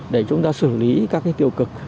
để chúng ta xử lý các cái tiêu cực